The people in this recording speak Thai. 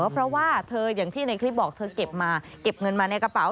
เพราะว่าเธออย่างที่ในคลิปบอกเธอเก็บมาเก็บเงินมาในกระเป๋า